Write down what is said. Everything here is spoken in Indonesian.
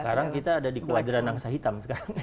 sekarang kita ada di kuadran angsa hitam sekarang